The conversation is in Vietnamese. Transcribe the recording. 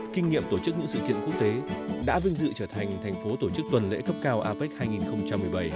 kinh nghiệm tổ chức những sự kiện quốc tế đã vinh dự trở thành thành phố tổ chức tuần lễ cấp cao apec hai nghìn một mươi bảy